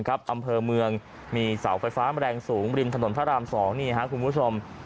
อำเภอเมืองมีสาวไฟฟ้าแมลงสูงริมถนนพระราม๒คุณผู้ชม